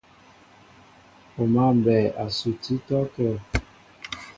O mǎ mbɛɛ a suti ítɔ́kə́ə́.